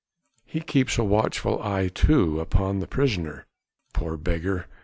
He keeps a watchful eye too, upon the prisoner: poor beggar!